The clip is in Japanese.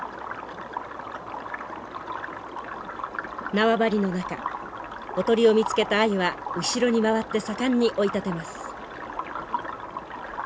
縄張りの中おとりを見つけたアユは後ろに回って盛んに追い立てます。